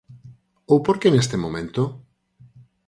Ou por que neste momento?